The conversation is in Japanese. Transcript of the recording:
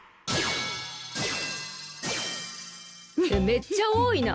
めっちゃ多いな！